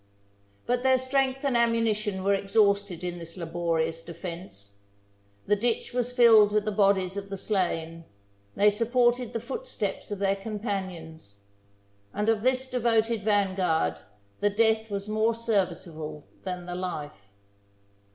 But their strength and ammunition were ex hausted in this laborious defence; the ditch was filled with the bodies of the slain ; they supported the footsteps of their companions ; and of this devoted vanguard the death was more serviceable than the life.